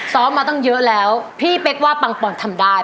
ซ้อมมาตั้งเยอะแล้วพี่เป๊กว่าปังปอนทำได้